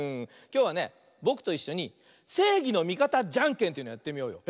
きょうはねぼくといっしょに「せいぎのみかたじゃんけん」というのやってみようよ。